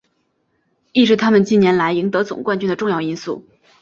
亦是他们近年来赢得总冠军的重要因素。